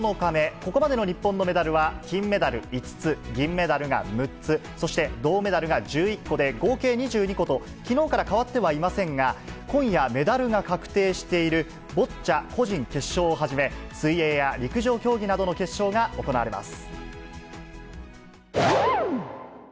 ここまでの日本のメダルは金メダル５つ、銀メダルが６つ、そして銅メダルが１１個で、合計２２個と、きのうから変わってはいませんが、今夜、メダルが確定しているボッチャ個人決勝をはじめ、水泳や陸上競技などの決勝が行われます。